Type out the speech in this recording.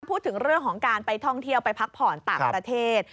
พูดถึงเรื่องของการไปท่องเที่ยวไปพักผ่อนต่างประเทศ